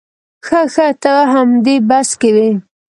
ښه ښه ته همدې بس کې وې.